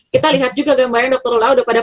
kita lihat juga gambarnya dr lula sudah pada